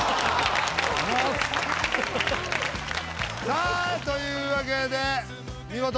さあというわけで見事